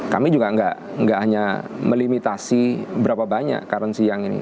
kami juga nggak hanya melimitasi berapa banyak currency yang ini